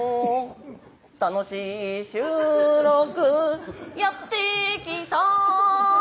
「楽しい収録やってきた」